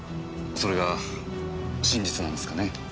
それが真実なんですかね。